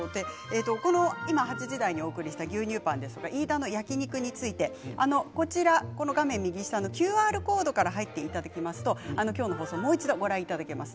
８時台にお送りした牛乳パン飯田の焼き肉について画面右下のＱＲコードから入っていただきますと今日の放送、もう一度ご覧いただけます。